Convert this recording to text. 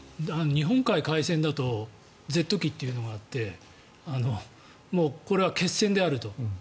日本海海戦だとゼット機というのがあってこれは決戦であると。